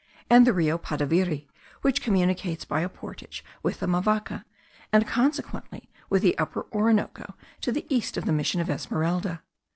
and the Rio Padaviri, which communicates by a portage with the Mavaca, and consequently with the Upper Orinoco, to the east of the mission of Esmeralda.